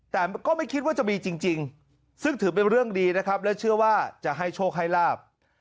แต่ก็ไม่คิดว่าจะมีจริงซึ่งถือเป็นเรื่องดีนะครับและเชื่อว่าจะให้โชคให้ลาบ